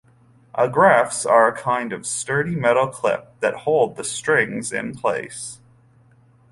Agraffes are a kind of sturdy metal clip that hold the strings in place.